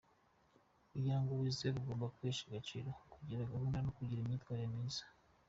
Kugira ngo wizerwe ugomba kwihesha agaciro, kugira gahunda, no kugira imyitwarire myiza.